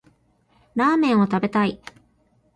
ラーメンを食べたい